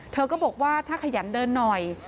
เธอก็บอกว่าถ้าขยันเดินหน่อย